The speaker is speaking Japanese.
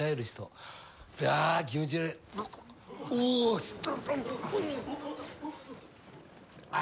ちょっと。